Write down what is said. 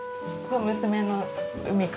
娘の海果。